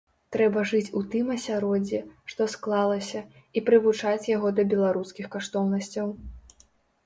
Трэба жыць у тым асяроддзі, што склалася, і прывучаць яго да беларускіх каштоўнасцяў.